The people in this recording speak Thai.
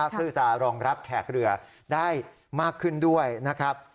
เพื่อจะรองรับแขกเรือได้มากขึ้นด้วยนะครับ